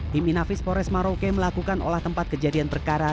tim inafis pores maroke melakukan olah tempat kejadian perkara